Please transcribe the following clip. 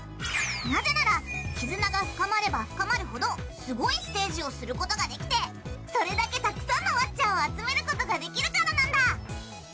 なぜなら絆が深まれば深まるほどすごいステージをすることができてそれだけたくさんのワッチャを集めることができるからなんだ。